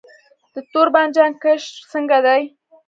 د تور بانجان کښت څنګه دی؟